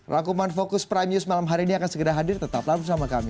rangkuman fokus prime news malam hari ini akan segera hadir tetaplah bersama kami